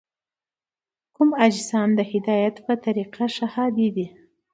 کوم اجسام د هدایت په طریقه ښه هادي دي؟